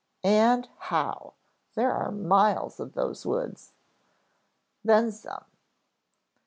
"And how. There are miles of those woods." "Then some."